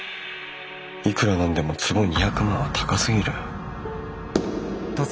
いくら何でも坪２００万は高すぎる。